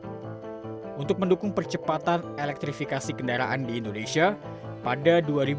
ya ini kalau wr sun minor nede " pelet olympics faker " ia akan dia aliainato